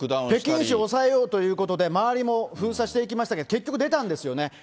北京市を抑えようということで、周りも封鎖していきましたが、結局出たんですよね。